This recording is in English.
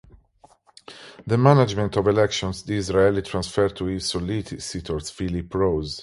The management of elections Disraeli transferred to his solicitor, Philip Rose.